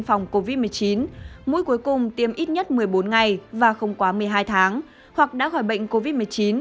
phòng covid một mươi chín mũi cuối cùng tiêm ít nhất một mươi bốn ngày và không quá một mươi hai tháng hoặc đã khỏi bệnh covid một mươi chín